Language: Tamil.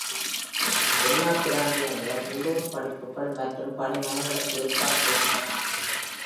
எல்லா பிராந்தியங்களும் உள்ளூர் படிப்புகள் மற்றும் பணிமனைகளுக்கு ஏற்பாடு செய்கின்றன.